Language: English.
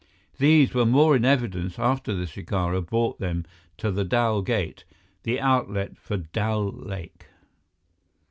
These were more in evidence after the shikara brought them to the Dal Gate, the outlet for Dal Lake.